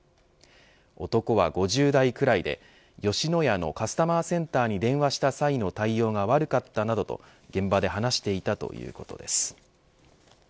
男は５０代くらいで吉野家のカスタマーセンターに電話した際の対応が悪かったなどと現場で話していたということです。